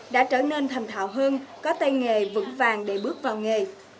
đã trở nên thành thạo hơn có tay nghề vững vàng để bước vào nghề